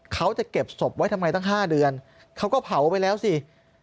เขาจะเก็บศพไว้ทำไงตั้ง๕เดือนเขาก็เผาไปแล้วสิ